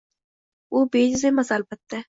Bu bejiz emas, albatta.